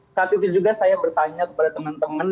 saat itu juga saya bertanya kepada teman teman